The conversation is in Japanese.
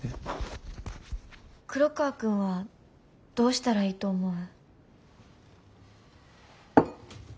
黒川くんはどうしたらいいと思う？